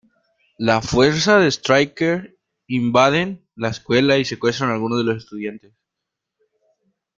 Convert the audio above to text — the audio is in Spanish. Las fuerzas de Stryker invaden la escuela y secuestran a algunos de los estudiantes.